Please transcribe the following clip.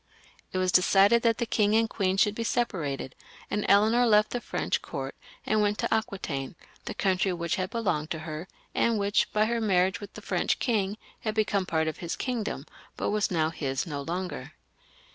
It was decided that the king and queen should be separated, and Eleanor left the French court and went to Aquitaine, the country which had belonged to her, and which, by her marriage with the French king, had become part of his kingdom, but was now his no longer.